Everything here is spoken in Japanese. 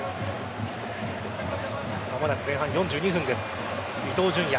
間もなく前半４２分です。